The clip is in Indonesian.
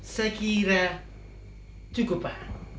saya kira cukup pak